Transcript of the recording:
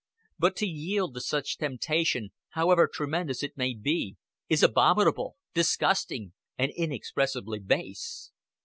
But to yield to such temptation, however tremendous it may be, is abominable, disgusting, and inexpressibly base.